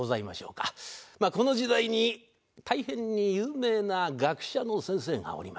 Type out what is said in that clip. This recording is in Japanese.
まあこの時代に大変に有名な学者の先生がおりました。